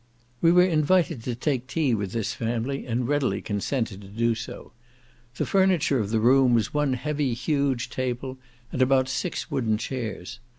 We were invited to take tea with this family, and readily consented to do so. The furniture of the room was one heavy huge table, and about six wooden chairs.